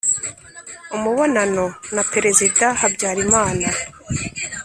umubonano na perezida habyarimana.